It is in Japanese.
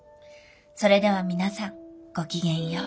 それでは皆さんごきげんよう。